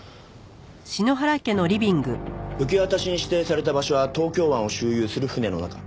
受け渡しに指定された場所は東京湾を周遊する船の中。